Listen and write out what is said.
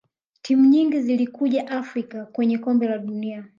timu nyingi zilikuja afrika kwenye kombe la dunia